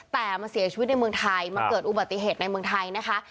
แต่มาเสียชีวิตในเมืองไทยมาเกิดอุบัติเหตุในเมืองไทยนะคะ